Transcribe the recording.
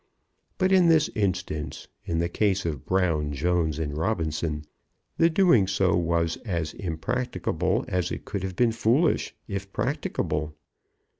But in this instance, in the case of Brown, Jones, and Robinson, the doing so was as impracticable as it would have been foolish, if practicable.